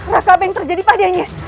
rakabeng terjadi padihannya